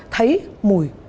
thấy mùi rõ